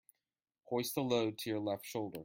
Hoist the load to your left shoulder.